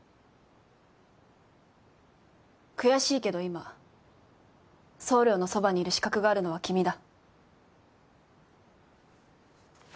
悔しいけど今総領のそばにいる資格があるのは君だ。